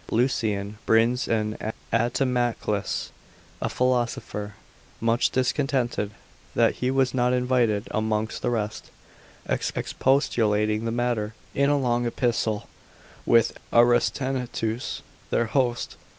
Lucian brings in Aetamacles, a philosopher in his Lapith. convivio, much discontented that he was not invited amongst the rest, expostulating the matter, in a long epistle, with Aristenetus their host.